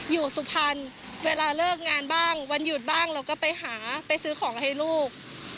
อยู่สุพรรณเวลาเลิกงานบ้างวันหยุดบ้างเราก็ไปหาไปซื้อของให้ลูก